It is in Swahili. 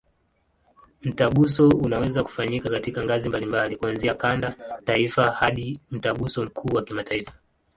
Mtaguso unaweza kufanyika katika ngazi mbalimbali, kuanzia kanda, taifa hadi Mtaguso mkuu wa kimataifa.